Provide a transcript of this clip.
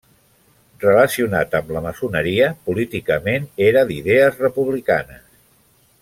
Relacionat amb la maçoneria, políticament era d'idees republicanes.